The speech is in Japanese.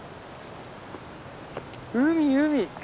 海海。